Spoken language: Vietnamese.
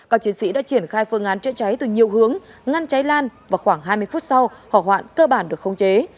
các chiến sĩ đã triển khai phương án chữa cháy từ nhiều hướng ngăn cháy lan vào khoảng hai mươi phút sau hỏa hoạn cơ bản được không chế